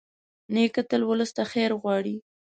نیکه تل ولس ته خیر غواړي.